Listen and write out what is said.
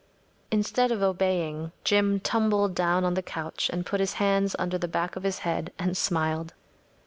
‚ÄĚ Instead of obeying, Jim tumbled down on the couch and put his hands under the back of his head and smiled.